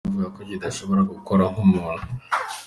Avuga ko " kidashobora gukora nk'umuntu.